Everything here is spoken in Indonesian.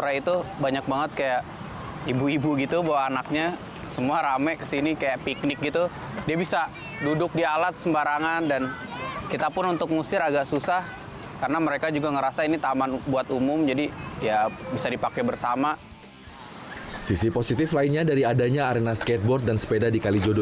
fijian fiji adalah sebuah kejuaraan di kalijodo